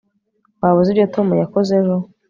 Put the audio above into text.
waba uzi ibyo tom yakoze ejo